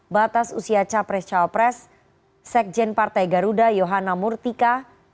batas usia capres cawapres sekjen partai garuda yohana murtika